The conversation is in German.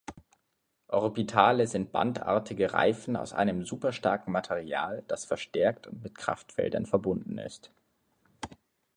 Orbitale sind bandartige Reifen aus einem superstarken Material, das verstärkt und mit Kraftfeldern verbunden ist.